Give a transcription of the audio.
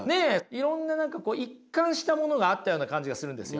いろんな何か一貫したものがあったような感じがするんですよ。